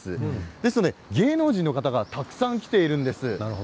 ですので芸能人の方がたくさん来ているんです。